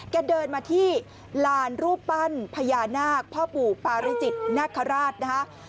เดินมาที่ลานรูปปั้นพญานาคพ่อปู่ปาริจิตนาคาราชนะคะ